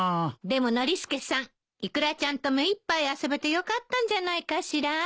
でもノリスケさんイクラちゃんと目いっぱい遊べてよかったんじゃないかしら。